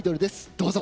どうぞ。